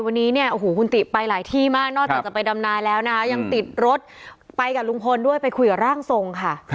นี่มากนอกจากจะไปดำนายแล้วนะยังติดรถไปกับลุงพลด้วยไปคุยกับร่างทรงค่ะ